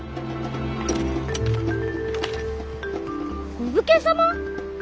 お武家様！？